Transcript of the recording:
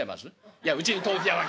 いやうちに豆腐屋は来てない。